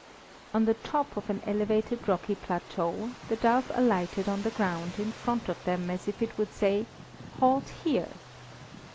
On the top of an elevated rocky plateau, the dove alighted on the ground in front of them, as if it would say: "Halt here."